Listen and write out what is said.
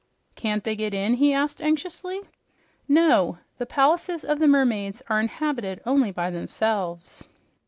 "Can't they get in?" he asked anxiously. "No. The palaces of the mermaids are inhabited only by themselves."